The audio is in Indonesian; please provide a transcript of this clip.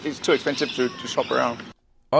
itu terlalu mahal untuk berpenggunaan